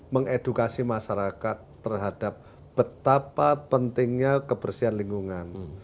mengedukasi masyarakat terhadap betapa pentingnya kebersihan lingkungan